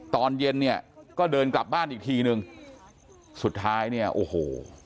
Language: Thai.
ตอนเย็นเนี่ยก็เดินกลับบ้านอีกทีนึงสุดท้ายเนี่ยโอ้โห